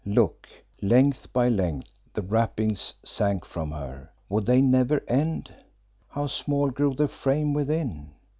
Look! Length by length the wrappings sank from her. Would they never end? How small grew the frame within?